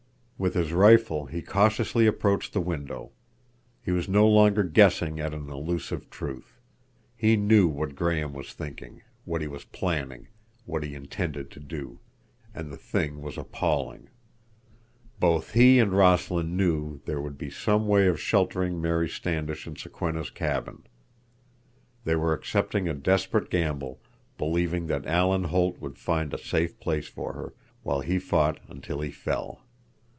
With his rifle he cautiously approached the window. He was no longer guessing at an elusive truth. He knew what Graham was thinking, what he was planning, what he intended to do, and the thing was appalling. Both he and Rossland knew there would be some way of sheltering Mary Standish in Sokwenna's cabin; they were accepting a desperate gamble, believing that Alan Holt would find a safe place for her, while he fought until he fell.